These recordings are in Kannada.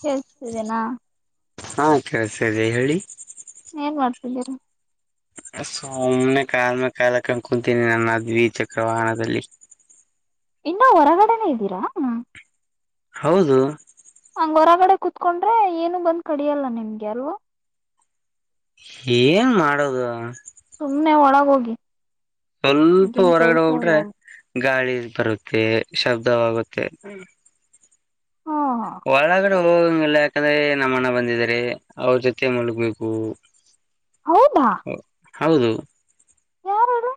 ಕೇಳಿಸ್ತಿದೆನಾ ಕೇಳಿಸ್ತಿದೆ ಹೇಳಿ ಏನ್ ಮಾಡ್ತಿದ್ದೀರಾ ಸುಮ್ನೆ ಕಾಲ್ ಮೇಲ್ ಕಾಲ ಕುಂತಿದೀನಿ ನನ್ನ ದ್ವಿಚಕ್ರ ವಾಹನದಲ್ಲಿ ಇನ್ನೂ ಹೊರಗಡೆನೆ ಇದ್ದೀರಾ ಹೌದು ಹಂಗ್ ಹೊರಗಡೆ ಕುೂತ್ಕೊಂಡ್ರೆ ಏನು ಬಂದ್ ಕಡಿಯಲ್ಲ ನಿಮ್ಗೆ ಯಾರೂ ಏನ್ ಮಾಡದು ಸುಮ್ನೆ ಒಳಗೋಗಿ ಸ್ವಲ್ಪ ಹೊರಗಡೆ ಹೋಗ್ಬಿಟ್ರೆ ಗಾಳಿ ಬರುತ್ತೆ ಶಬ್ದವಾಗುತ್ತೆ ಹಾ ಒಳಗಡೆ ಹೋಗಂಗಿಲ್ಲ ಯಾಕಂದ್ರೆ ನಮ್ಮ ಅಣ್ಣ ಬಂದಿದಿದ್ದಾರೆ ಅವ್ರ ಜೊತೆ ಮಲಗ್ಬೇಕು ಹೌದಾ ಹೌದು ಯಾರ ಹೇಳಿ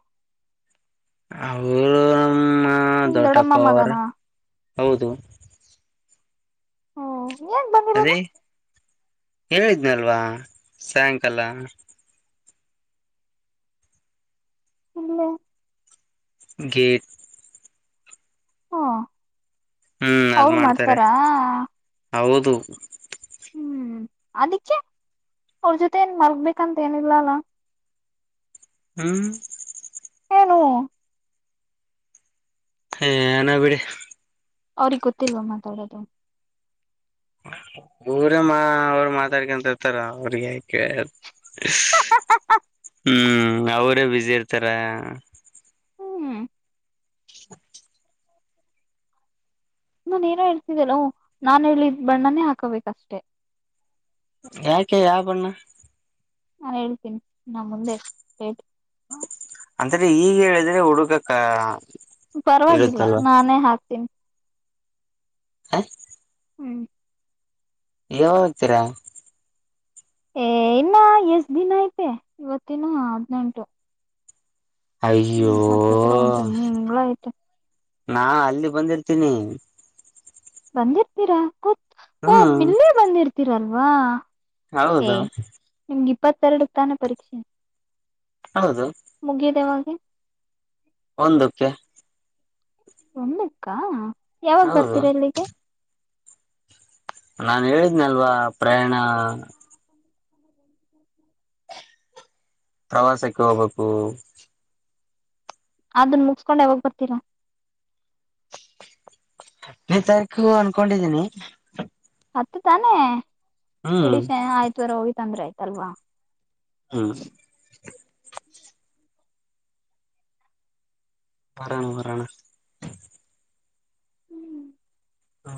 ಅವ್ರು ನಮ್ಮ ನಿಮ್ ದೊಡ್ಡಪ್ಪ ದೊಡ್ಡಮ್ಮ ಅವರ ಮಗನಾ ಹೌದು ನೀವೇನ್ ಬಂದಿರೋದು? ಹೇಳಿದ್ನ ಅಲ್ವಾ ಸಾಯಂಕಾಲ. ಹ್ಮ ಗಟ್ ಹಾ ಹ್ಮ್ ಅದ್ ಅವರು ಮಾಡ್ತಾರೆ ಮಾಡ್ತಾರಾ? ಹೌದು ಹ್ಮ್ ಅದಿಕ್ಕೆ, ಅವ್ರ ಜೊತೆ ಏನ್ ಮಲ್ಗಬೇಕಂತ ಏನಿಲ್ಲ ಅಲ್ಲ. ಹ್ಮ್ ಏನು ಹ ನನ ಬಿಡ ಅವ್ರಗ್ ಗೊತ್ತಿಲ್ವಾ ಮಾತಾಡದು. ಊರೇ ಮಾ ಅವ್ರ ಮಾತಾಡ್ಕೊಂತರ್ತಾರ ಅವ್ರಿಗೆ ಯಾಕ ಹ್ಮ್ ಅವರೇ ಬಸಿ ಇರ್ತಾರ. ಹ್ಮ್ ನಾನ್ಏನೋ ಹೇಳ್ತಿದ್ದಲ್ಲ ನಾನ್ ಹೇಳಿದ್ ಬಣ್ಣನೇ ಹಾಕೋಬೇಕಷ್ಟೆ. ಯಾಕೆ ಯಾವ ಬಣ್ಣ? ನಾನ್ ಹೇಳ್ತೀನಿ ನಾ ಮುಂದೆ ಹೇಳ ಅಂದ್ರೆ ಈಗ ಹೇಳಿದ್ರೆ ಹುಡುಕಕ್ಕ. ಪರವಾಗಿಲ್ಲ ಇರುತ್ತಲ್ವಾ ನಾನೇ ಹಾಕ್ತೀನಿ. ಹಾ ಹ್ಮ್ ಯೆಮಂತಿರ ಏ ಇನ್ನ ಎಷ್ಟ ದಿನ ಐತೆ, ಇವತ್ತಿನ ಹದ್ನೆೆಂಟು. ಅಯ್ಯೋ, ಒಂದ್ ತಿಂಗಳ ಐತೆ ನಾ ಅಲ್ಲಿ ಬಂದಿರ್ತೀನಿ. ಬಂದಿರ್ತೀರಾ ಕೂ ಓ ಹ್ಮ್ ಇಲ್ಲೇ ಬಂದಿರ್ತೀರಲ್ಲ. ವಾ ಹೌದು. ಇಪ್ಪತ್ತೆರಡು ಸ್ಥಾನ ಪರೀಕ್ಷೆ. ಹೌದು ಮುಗಿದೇವ ಹ ಒಂದಕ್ಕೆ ಒಂದಕ್ಕಾ ಯಾವಾಗ ಹೌದು ಬರ್ತೀರಾ ಇಲ್ಲಿಗೆ? ನಾನ್ ಹೇಳಿದ್ನಲ್ವಾ ಪ್ರಯಾಣ ಪ್ರವಾಸಕ್ಕೆ ಹೋಗ್ಬೇಕು. ಅದನ್ ಮುಗಸ್ಕೊಂಡ್ ಯಾವಾಗ ಬರ್ತೀರಾ? [unintelligible] ತಾರೀಕು ಅನ್ಕೊಂಡಿದ್ದೀನಿ. ಹತ್ತು ತಾನೆ ಹ್ಮ್ ಕುಡಿ ಶ ಆಯ್ತ್ವರೆ ಹೋಗಿ ತಂದ್ರೆ ಆಯತು. ಅಲ್ವಾ ಹ್ಮ ಬಣ ಪಣ ಹ್ಮ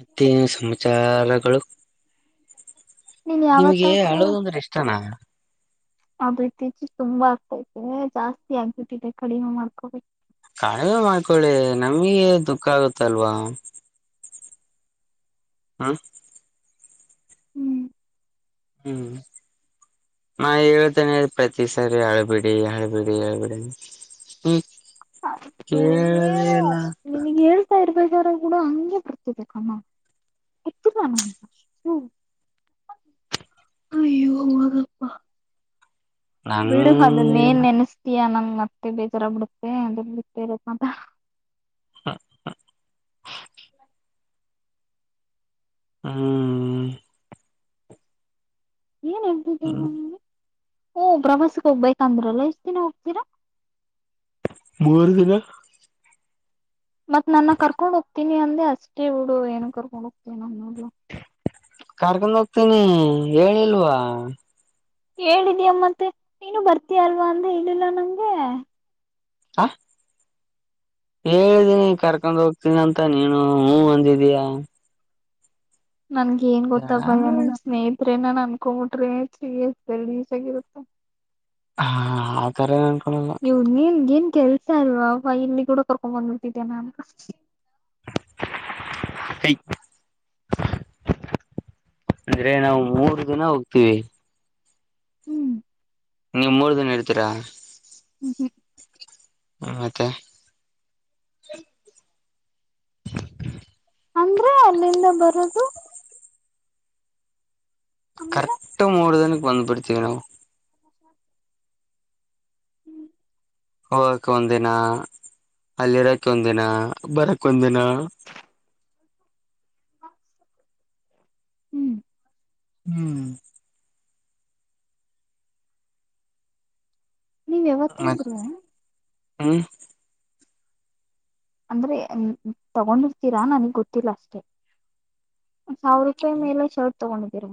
ಮತ್ತೇನು ಸಮಾಚಾರಗಳು ನೀನ್ ನಿಮ್ಗೆ ಯಾವತ್ತಾದ್ರೂ ಹಳೋದ ಅಂದ್ರೆ ಇಷ್ಟನಾ ಅದು್ರ ಇತ್ತೀಚೆಗೆ ತುಂಬಾ ಆಗ್ತೈತೆ ಜಾಸ್ತಿ ಆಗ್ಬಿಟ್ಟಿದೆ ಕಡಿಮೆ ಮಾಡ್ಕೋಬೇಕು ಕಾಣವೇ ಮಾಡ್ಕೊಳ್ಳಿ ನಮ್ಗೆ ದುಃಖ ಆಗುತ್ತಲ್ವಾ ಹಾ ಹ್ಮ್ ಹ್ಮ್ ನ ಹೇಳ್ತಾನೆ ಪ್ರತಿ ಸರಿ ಹಳ್ಬಿಡಿ ಹಳ್ಬಿಡಿ ಹಳ್ಬಿಡಿ ಹ್ಮ್ ಹ ಏನು ನಿಿನಗ್ ಹೇಳ್ತ ಇರ್ಬೇಕ ಾರ ಕೂಡ ಹಗೆ ಬರ್ತಿದೆ ಕಮ್ಮ ಹತ್ತರ ನ ಅಯ್ಯೋ ಹಪ್ಪ ನನ್ ಬಿಡುಹದುನ್ನೇನ್ ನೆನಸ್ತೀಯ ನಂಗ ಮತ್ತೆ ಬೇಜಾರ ಬಿಡುತ್ತೆ ಅ ಬಿೆ ಮಾ ಹ ಹ್ಮ ಏನ್ ಹ್ಮ್ ಹತಿದ್ದೇನೆಗೆ ಓ ಪ್ರವಾಸಕ್ಕೆ ಹೋಗ್ಬೇಕಂದ್ರಲ್ಲ ಎಷ್ಟ್ ದಿನ ಹೋಗ್ತೀರಾ ಮೂವರು ದಿನ ಮತ್ತ್ ನನ್ನ ಕರ್ಕೊಂಡ್ ಹೋಗ್ತೀನಿ ಅಂದೆ ಅಷ್ಟೇ ಹುಡು ಏನು ಕರ್ಕೊಂಡ್ ಹೋಗ್ತೀನ ಅನ್ನೋ ಕಾರ್ಕೊಂಡ್ ಹೋಗ್ತೀನಿ ಹೇಳಿಲ್ವಾ ಹೇಳಿದ್ಯಮ್ಮತ್ತ ನೀನು ಬರ್ತೀಯಲ್ವಾ ಅಂದ ಇಿಲ್ಲ ನಂಗೆ ಹ ಹೇಳಿದೀನಿ ಕರ್ಕೊಂಡ ಹೋಗ್ತೀನಿಂತ ನೀನು ಹೂಞ ಅಂದಿದೀಯ ನನ್ ಏನ್ ಗೊತ್ತಯ ನಿಮ್ ಸ್ನೇಹಿತರೆ ನಾನ ಅನ್ಕೊಂಬಿಟ್ರೆ ಬೆರ ಈಜಾಗಿರುತ್ತೆ ಹಾ ಆತರ ಅನ್ಕೊಳಲ್ಲ ನೀವು ನೀನ್ಗೆನ್ ಕೆಲ್ಸ ಅಲ್ವಾ ವ ಇಲ್ಲಿ ಕೂಡ ಕರ್ಕೊಂಡ್ ಬಂದ್ಿಟ್ಟಿದ್ಯಾ ನಮ ಅಂದ್ರೆ ನಾವು ಮೂರು ದಿನ ಹೋಗ್ತೀವಿ ಹ್ಮ್ ನೀವು್ ಮೂರ್ ದನ ಇರ್ತೀರಾ ್ಮ ಹ್ಮ್ ಹ್ಮ ಮತ್ತೆ ಹ ಅಂದ್ರೆ ಅಲ್ಲಿಂದ ಬರೋದು ಆಮೇಲೆ ಕರೆಕ್ಟ್ ಮೂಡದನ್ ಬಂದಂದು ಪಡ್ತೀವಿ ನಾವು [inaudible] ಹೋಗಕ್ ಒಂದ ದಿನ ಅಲ್ಲಿರಕ್ ಒಂದ ದಿನ ಬರಕ್ ಒಂದ ದಿನ ಹ್ಮ್ ಹ್ಮ್ ನೀವ್ ಯಾವತ್ತಾಗರುೂ ಹಾ ಅಂದ್ರೆ ತಗೊಂಡಿರ್ತೀರಾ ನನಗ್ ಗೊತ್ತಿಲ್ಲ ಅಷ್ಟೆ ಸಾವಿರ ರೂಪಾಯಿ ಮೇಲೆ ಶರ್ಟ್ ತಗೊಂಡ ಬೀರು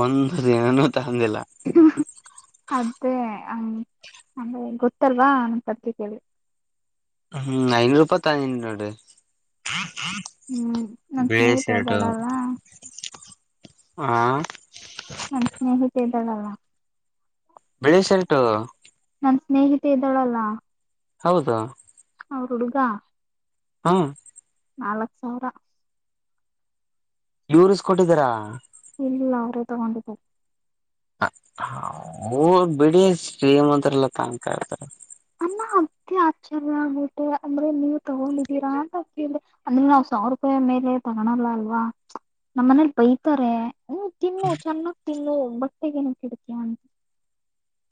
ಒಂದು ನ ಅದೇ ಹ್ಮ್ ಅಂದ ಗೊತ್ತಲ್ವಾ ನನ್ನ ಪತ್ ಕೇಳಿ ಹ್ಮ್ ಐನೂ ರೂಪಾಯಿ ತಿ ನೋಡಿ ಹ್ಮ್ ನನ್ ಸ್ನೇಹಿತ ಬಳೇಶರಟ ಇದ್ದಾಳಲ್ಲ ಹಾ ನನ್ ಸ್ನೇಹಿತ ಇದ್ದಳಲ್ಲ ಬಿಳಿ ಶರ್ಟು ನನ್ ಸ್ನೇಹಿತೆ ಇದ್ದಾಳಲ್ಲ ಹೌದಾ ಅವರು ಹುಡುಗ ಹಾ ನಾಲ್ಕ್ ಸಾವಿರ ಇೂಸ್ಕೊಟ್ಟಿದ್ದೀರಾ ಇಲ್ಲ ಅವರೇ ತಗೊಂಡಿಪ ಬಿಡಿ ಶ್ರೀಮದ್ರಲ್ಲ ತಾಣ್ತಾ ಇತಾರೆ ಅನ್ನ ಅತಿ ಆಶ್ಚರ್ಯ ಆಗ್ಬಿಟ್ಟೆ ಅಂದ್ರೆ ನೀವ ತಗೊಂಡಿದ್ದೀರಾ ಅಂತ ಕೇಳ್ರಿ ಅಂದ್ರೆ ನಾವ್ ಸಾವಿರ ರೂಪಾಯಿ ಮೇಲೆ ತಗಳಲ್ಲ ಅಲ್ವಾ ನಮ್ಮ್ ಮನೇಲಿ ಬೈತಾರೆ ಹ ತಿ ನ ಚನ್ನ ನ್ನು ಬಟ್ಟೆಗೇನ ಕಡ್ತೀಯಾ ಅಂತ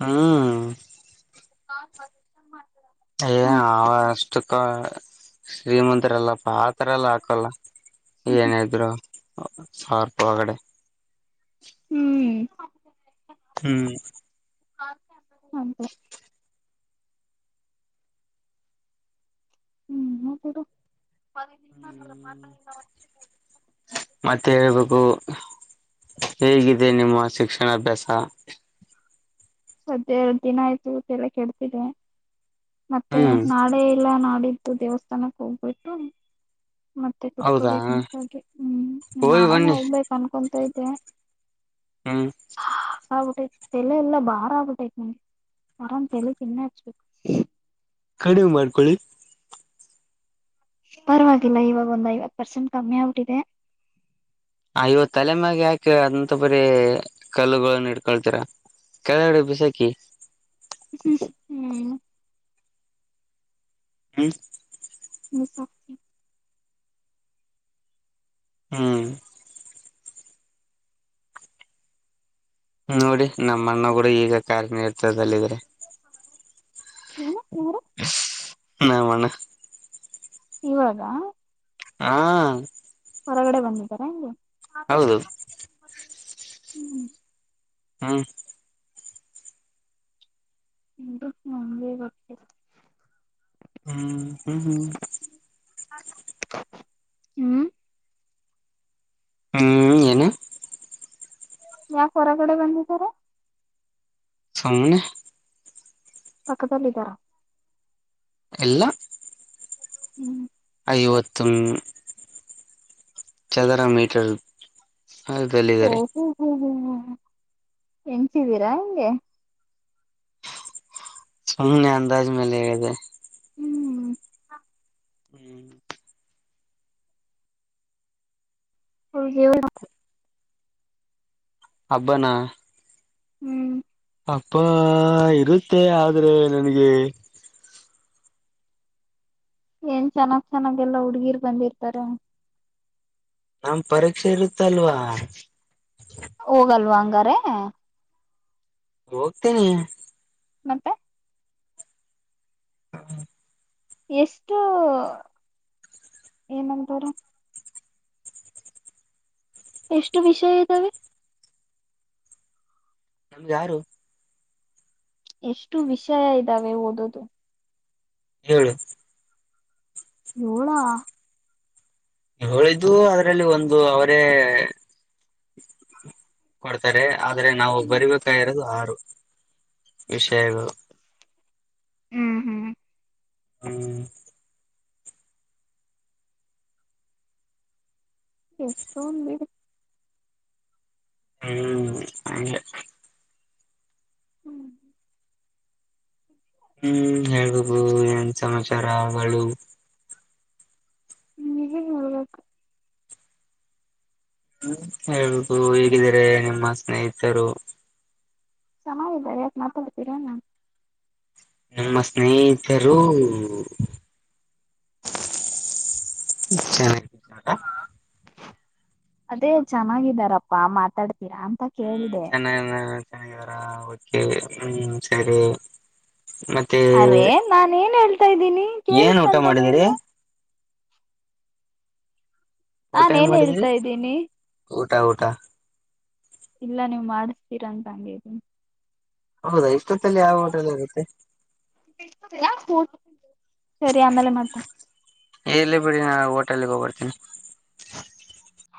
ಹಾ ಾ ಬ ಮಾಡ ಏ ಆವಷ್ಟುಕ ಶ್ರೀಮಂತರಲ್ಲಪ್ಪ ಪಾತ್ರರ ಎಲ್ಲ ಹಾಕಲ್ಲ ಏನ ಇದ್ರು ಸಾರ್ಪ ಕಡೆ ಹ್ಮ್ ಹ್ಮ್ ಹ ಂತ ಹ್ಮ್ ಹಡು ಹ್ಮ ಮತ್ತೆ ಹೇಳ್ಬೇಕು ಹೇಗಿದೆ ನಿಮ್ಮ ಶಿಕ್ಷಣಾಭ್ಯಾಸ ಸದ ಎರಡು ದಿನ ಆಯ್ತು ಎಲ್ಲ ಕೆಡ್ತಿದೆ ಮತ್ತೆ ಹ್ಮ್ ನಾಡೇ ಇಲ್ಲ ನಾಡಿದ್ದ ತು ದೇಸ್ಥಾನ ಕೊೋಗಬು ಎಟ್ಟು ಮತ್ತೆ ಹೌದಾ ಕುತ್ಕೋಬೇಕಕ್ಂಾಗಿ ಹ್ಮ್ ಹೋಗಿ ನಾಳೇನೆ ಬನ್ನಿ ಹೋಗ್ಬೇಕಕ್ ಅನ್ಕೊಂತ ಇದೆ ಕ ಹ್ಮ್ ಹಗಟೆ ತೆಲ ಎಲ್ಲ ಬಾಳ ಬಟೈತ ನಿಮಗೆ ಮರಾಮಂತಲಿಿ ತಿನ್ನ ಹಚ್ಬೇಕು ಕಡಿಮೆ ಮಾಡ್ಕೊಳ್ಳಿ ಪರವಾಗಿಲ್ಲ ಇವಾಗ ಒಂದ್ ಐವತ್ ಪರ್ಸೆಂಟ್ ಕಮ್ಮಿ ಔಟ್ಿದೆ ಆ ಇವ ತಲೆಮಾಗೆ ಹಾಕಿ ಅದಂತ ಬರೀ ಕಲ್ಲುನ್ನ ಇಡ್ಕೊಳ್ತೀರ ಕೆಳಗಡೆ ಬಿಸಾಕಿ ಹ್ಮ ಹ್ಮ್ ಹಾ ಮಸತಿ ಹಾ ನೋಡಿ ನಮ್ಮ ಅಣ್ಣ ಕೂಡ ಈಗ ಕಾರಾರ್ಕನಿತದದಲ್ಲಿ ಇದಿದ್ರೆ ಹ್ಮ ಹ ನ ಮಾನ ಇವಾಗ ಹಾ ಹೊರಗಡೆ ಬಂದಿದ್ದಾರೆಾ ಹೆಗೆ ಹೌದು ಹ್ಮ್ ಹಾ ಇ ಒಂದೇ ಬ ಹ್ಮ್ ಹ್ಮ್ ಹ್ಮ್ ಹ್ಮ್ ಹ್ಮ್ ಏನ ಯಾಕೆ ಹೊರಗಡೆ ಬಂದಿದ್ದಾರೆ ಸನೆ ಪಕ್ಕದಲ್ಲ ಇದಿದ್ದಾರಾ ಎಲ್ಲ ಹ್ಮ್ ಐವತ್ತು ಚದರ ಮೀಟರ್ ಓ ದಲ್ಲಿದ್ದಾರೆ ಹ ಹ್ಮ್ ಹ್ಮ್ ಹ್ಮ ಎನ್ಸಿದ್ದೀರಾ ಹಂಗೆ ಸುಮ್ಮನೆ ಅಂದಾಜ ಮೇಲೆ ಹೇಳಿದೆ ಹ್ಮ್ ಹ್ಮ್ ಹೌ ಹವ ಹಬ್ಬಾನ ಹ್ಮ್ ಅಪ್ಪ ಇರುತ್ತೆ ಆದ್ರೆ ನನಗೆ ಏನ್ ಚೆನ್ನಾಗ್ ಚೆನ್ನಾಗೆಲ್ಲಾ ಹುಡ್ಗೀರ್ ಬಂದಿರ್ತಾರ ನಮ್ ಪರೀಕ್ಷೆ ಇರುತ್ತ ಅಲ್ವಾ ಗರೆ ಹೋಗ್ತೇನಿ ಮತ್ತೆ ಎಷ್ಟು ಏನಂತಾರ ಎಷ್ಟು ವಿಷಯ ಇದ್ದಾವೆ ನಮ್ಗೆ ಯಾರು ಎಷ್ಟು ವಿಷಯ ಇದ್ದಾವೆ ಓದೋದು ಹೇಳು ಏಳಾ ಹೇಳಿದ್ದು ಅದ್ರಲ್ಲಿ ಒಂದು ಅವರೇ ಕೊಡ್ತಾರೆ ಆದ್ರೆ ನಾವು ಬರಿಬೇಕಾಗಿರೋದು ಆರು ವಿಷಯಗಳು ಹ್ಮ್ ಹ್ಮ್ ಹ್ಮ್ ಎಷ್ಟೊಂದು ಬಿಡ್ ಹ್ಮ್ ಹಾಗೆ ಹ್ಮ್ ಹ್ಮ್ ಹೇಳ್ಬಬೋುದು ಏನ್ ಸಮಾಚಾರಗಳು ಹ್ಮ್ ಹೇಗ್ ನೋಡ್ಬೇಕು ಹ್ಮ ಹೇಳ್ಬದು ಹೇಗಿದಿದ್ದಾರೆ ನಿಮ್ಮ ಸ್ನೇಹಿತರು ಸಮಯ ಇದ್ದ ಯಾಕೆ ಮಾತಾಡ್ತೀರಾ ನಾನ್ ನಮ್ಮ ಸ್ನೇಹಿತರು ಚೆನ್ನಡ ಅದೇ ಚೆನ್ನಾಗಿದ್ದಾರಪ್ಪಾ ಮಾತಾಡ್ ಅಂತ ಕೇಳ್ದೆ ಚೆನ್ನಾಗಾರಾ ೆ ಹ್ಮ್ ಸರಿ ಮತ್ತೆ ಅರೆೇ ನಾನ ಏನ್ ಹೇಳ್ತಾ ಇದ್ದೀನಿ ಏನ್ ಊಟ ಕೇಳಸ್ಕಂತಾನ ಮಾಡಿದಿರಿ ಇನ್ನ ನನ್ ಏನ್ ಹೇಳ್ತಾ ಇದ್ದೀನಿ ಊಟಾ ಊಟಾ ಇಲ್ಲ ನೀವವು್ ಮಾಡಿಸತೀರಾ ಅಂತ ಹೌದಾ ಇಷ್ಟೊತ್ತಲ್ಲಿ ಯಾವ ಹೋಟೆಲ್ ಇರುತ್ತೆ ಹಂಗದು ಸರಿ ಆಮೇಲೆ ಮಾ ಎಲ್ಲೇ ಬಿಡಿ ನಾ ಹೋಟೆಲ್ಗೆ ಹೋಗ್ಬರ್ತೇನಿ